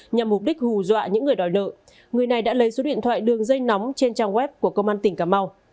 nhằm mục đích hù dọa những người đòi nợ người này đã lấy số điện thoại đường dây nóng trên trang web của công an tỉnh cà mau